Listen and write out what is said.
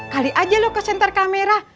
kali aja lo ke center kamera